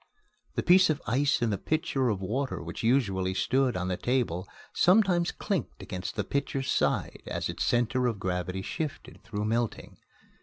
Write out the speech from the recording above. The piece of ice in the pitcher of water which usually stood on the table sometimes clinked against the pitcher's side as its center of gravity shifted through melting.